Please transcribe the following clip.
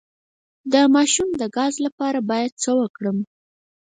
د ماشوم د ګاز لپاره باید څه وکړم؟